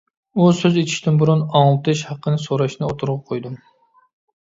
ئۇ سۆز ئېچىشتىن بۇرۇن، ئاڭلىتىش ھەققىنى سوراشنى ئوتتۇرىغا قويدۇم.